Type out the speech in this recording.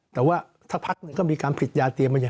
แต่ว่าสักพักหนึ่งก็มีการผิดยาเตรียมมาอย่าง